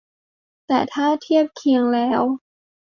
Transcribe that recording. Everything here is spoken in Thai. แต่ถ้าเทียบเคียงแล้ว